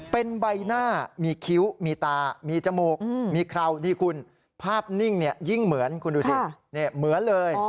เป็นใบหน้ามีคิ้วมีตามีจมูกมีเคราวดีคุณภาพนิ่งยิ่งเหมือนคุณดูสิเหมือนเลย